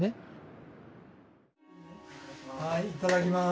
はいいただきます。